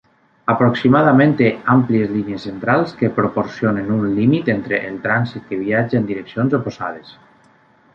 Aproximadament té "àmplies línies centrals" que proporcionen un límit entre el trànsit que viatja en direccions oposades.